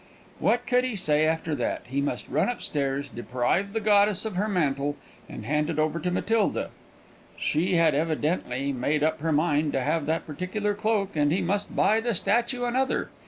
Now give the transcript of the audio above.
What could he say after that? He must run upstairs, deprive the goddess of her mantle, and hand it over to Matilda. She had evidently made up her mind to have that particular cloak, and he must buy the statue another.